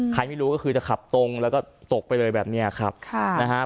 ไม่รู้ก็คือจะขับตรงแล้วก็ตกไปเลยแบบเนี้ยครับค่ะนะฮะ